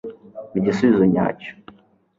mpa igisubizo nyacyo